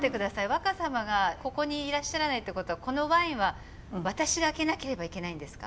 若さまがここにいらっしゃらないってことはこのワインは私が開けなければいけないんですか？